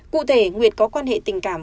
cụ thể nguyệt có quan hệ tình cảm